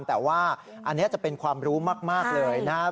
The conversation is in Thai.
แต่ว่าอันนี้จะเป็นความรู้มากเลยนะครับ